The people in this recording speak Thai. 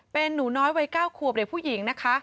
เป็นหนูน้อยวัย๙ขวบเด็กผู้หญิงนะคะ